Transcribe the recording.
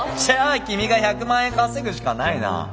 じゃあ君が１００万円稼ぐしかないな。